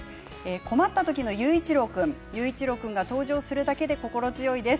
困った時の佑一郎君佑一郎君が登場するだけで心強いです。